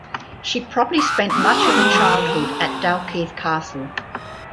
She probably spent much of her childhood at Dalkeith Castle.